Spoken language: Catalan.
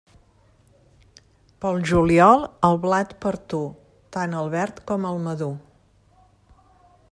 Pel juliol, el blat per tu, tant el verd com el madur.